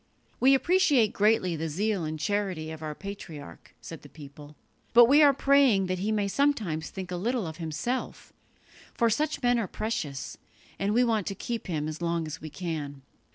"We appreciate greatly the zeal and charity of our patriarch," said the people, "but we are praying that he may sometimes think a little of himself; for such men are precious, and we want to keep him as long as we can."